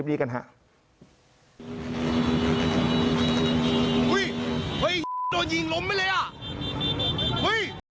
เฮ้ยไอ้นั่นโดนยิงมั้ย